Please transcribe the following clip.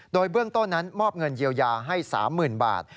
โดยเบื้องต้นนั้นมอบเงินเยียวยาให้๓๐๐๐บาท